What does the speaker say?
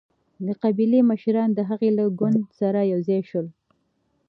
قبایلي مشران د هغه له ګوند سره یو ځای شول.